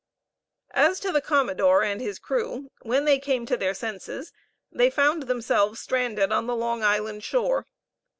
As to the commodore and his crew, when they came to their senses they found themselves stranded on the Long Island shore.